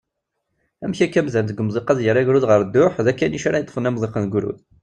Amek akka amdan deg umḍiq ad yerr agrud ɣer dduḥ, d akanic ara yeṭṭfen amḍiq n ugrud?